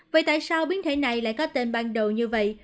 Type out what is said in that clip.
vậy tại sao biến thể này lại có tên ban đầu như vậy